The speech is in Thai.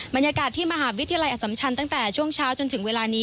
บรรยากาศที่มหาวิทยาลัยอสัมชันตั้งแต่ช่วงเช้าจนถึงเวลานี้